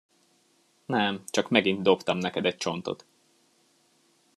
Nem, csak megint dobtam neked egy csontot.